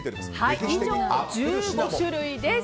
以上１５種類です。